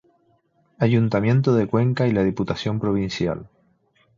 Ayuntamiento de Cuenca y la Diputación Provincial.